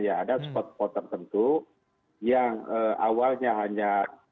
ya ada spot spot tertentu yang awalnya hanya